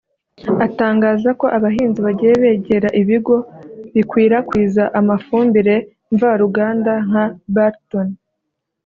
Atangaza ko abahinzi bagiye begera ibigo bikwirakwiza amafumbire mva ruganda nka Balton